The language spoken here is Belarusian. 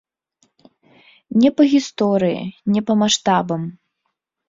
Не па гісторыі, не па маштабам.